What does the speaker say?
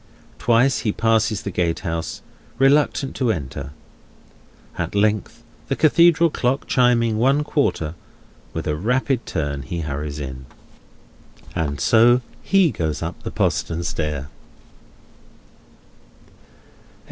Twice he passes the gatehouse, reluctant to enter. At length, the Cathedral clock chiming one quarter, with a rapid turn he hurries in. And so he goes up the postern stair.